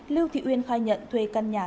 lưu thị uyên khai nhận thuê căn nhà